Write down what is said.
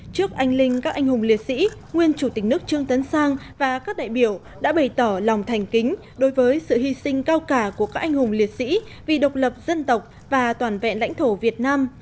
trước anh linh các anh hùng liệt sĩ nguyên chủ tịch nước trương tấn sang và các đại biểu đã bày tỏ lòng thành kính đối với sự hy sinh cao cả của các anh hùng liệt sĩ vì độc lập dân tộc và toàn vẹn lãnh thổ việt nam